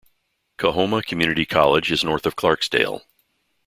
Coahoma Community College is north of Clarksdale.